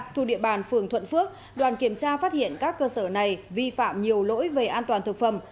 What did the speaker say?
thuộc địa bàn phường thuận phước đoàn kiểm tra phát hiện các cơ sở này vi phạm nhiều lỗi về an toàn thực phẩm